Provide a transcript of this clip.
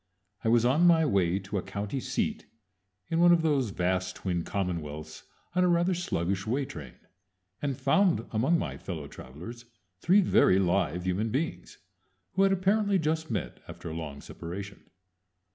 I was on my way to a county seat in one of those vast twin commonwealths on a rather sluggish way train, and found among my fellow travelers three very live human beings who had apparently just met after a long separation.